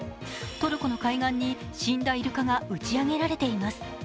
トルコの海岸に死んだイルカが打ち上げられています。